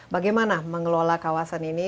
bagaimana mengelola kawasan ini